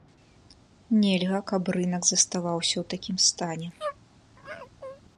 Нельга, каб рынак заставаўся ў такім стане.